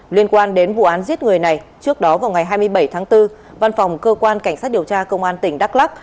liên quan đến vụ án giết người này trước đó vào ngày hai mươi bảy tháng bốn văn phòng cơ quan cảnh sát điều tra công an tỉnh đắk lắc